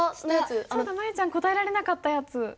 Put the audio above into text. そうだ舞悠ちゃん答えられなかったやつ。